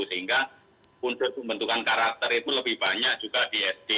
sehingga unsur pembentukan karakter itu lebih banyak juga di sd